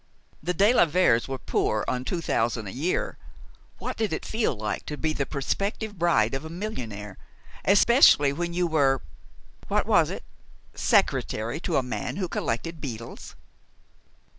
The de la Veres were poor on two thousand a year. What did it feel like to be the prospective bride of a millionaire, especially when you were what was it? secretary to a man who collected beetles!